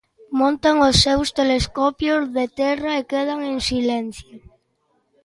Montan os seus telescopios de terra e quedan en silencio.